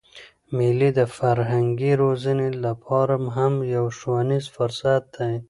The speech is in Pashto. مېلې د فرهنګي روزني له پاره هم یو ښوونیز فرصت دئ.